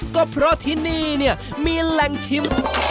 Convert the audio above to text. ก็เพราะที่นี่มีแหล่งชิม